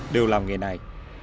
đều làm nghề này